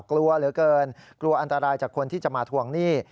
กลัวเหลือเกินกลัวอันตรายจากคนที่จะมาทวงหนี้